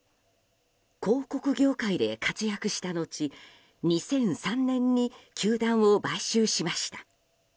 広告業界で活躍したのち２００３年に球団を買収しました。